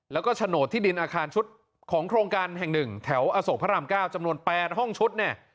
แล้วก็โฉนดที่ดินอาคารชุดของโครงการแห่ง๑แถวอโศกพระราม๙จำนวน๘ห้องชุดเนี่ย